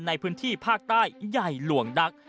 ในพื้นที่ภาคใต้ใหญ่หลวงดัก